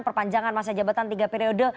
perpanjangan masa jabatan tiga periode